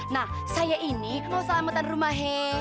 nah saya ini mau selamatan rumah he